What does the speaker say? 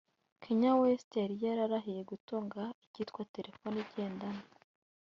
Kanye West yari yararahiye gutunga ikitwa telefoni igendanwa (Mobile)